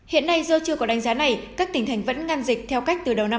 hiện nay do chưa có đánh giá này các tỉnh thành vẫn ngăn dịch theo cách từ đầu năm hai nghìn hai